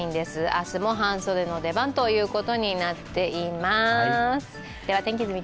明日も半袖の出番ということになっています。